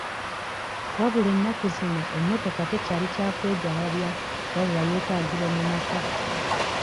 Wabula ennaku zino emmotoka tekyali kya kwejalabya wabula yeetaagibwa mu maka.